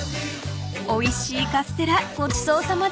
［おいしいカステラごちそうさまでした］